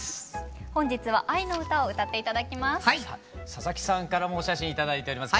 佐々木さんからもお写真頂いております